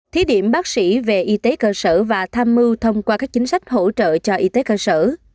thí điểm bác sĩ về y tế cơ sở và tham mưu thông qua các chính sách hỗ trợ cho y tế cơ sở